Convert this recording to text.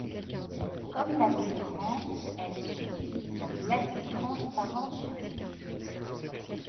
Comme la détrempe, elle s'utilise en glacis transparents successifs.